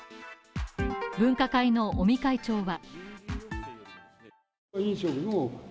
分科会の尾身会長